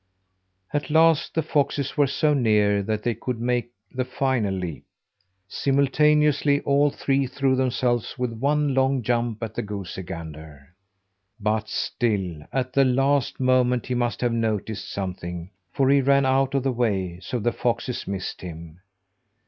At last the foxes were so near that they could make the final leap. Simultaneously, all three threw themselves with one long jump at the goosey gander. But still at the last moment he must have noticed something, for he ran out of the way, so the foxes missed him.